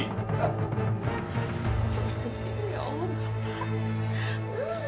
astaga ya allah pak